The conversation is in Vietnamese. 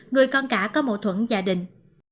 người con cả có mậu thuẫn gia đình